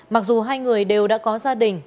mặc dù hai người đều đã có gia đình